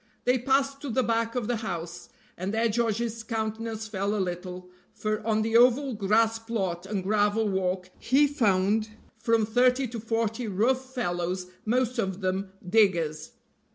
They passed to the back of the house, and there George's countenance fell a little, for on the oval grass plot and gravel walk he found from thirty to forty rough fellows, most of them diggers.